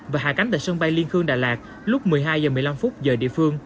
và hạ cánh tại sân bay liên khương đà lạt lúc một mươi hai h một mươi năm giờ địa phương